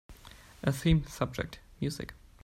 A theme subject